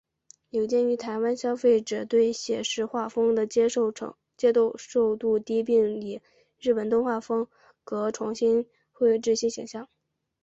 有鉴于台湾消费者对写实画风的接受度低并以日本动漫风格重新绘制新形象。